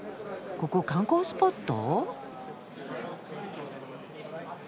ここ観光スポット？